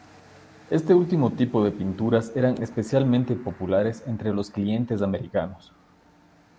Este último tipo de pinturas eran especialmente populares entre los clientes americanos.